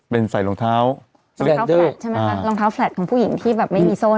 เป็นใส่รองเท้าใช่ไหมคะรองเท้าของผู้หญิงที่แบบไม่มีส้น